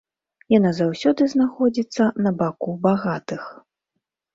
Яна заўсёды знаходзіцца на баку багатых.